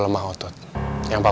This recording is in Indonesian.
sudah tiba tiba aku terserah